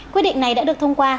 quyết định này đã được thông qua